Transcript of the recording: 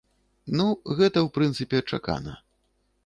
Ну, гэта, у прынцыпе, чакана.